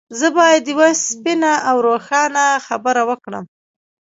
زه بايد يوه سپينه او روښانه خبره وکړم.